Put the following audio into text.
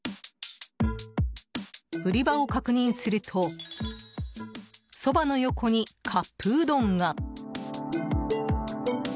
売り場を確認するとそばの横にカップうどんが。